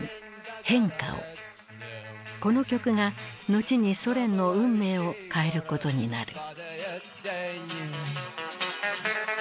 この曲が後にソ連の運命を変えることになる。